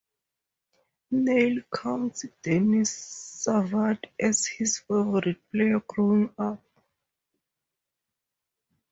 Neil counts Denis Savard as his favourite player growing up.